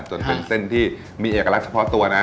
จนเป็นเส้นที่มีเอกลักษณ์เฉพาะตัวนะ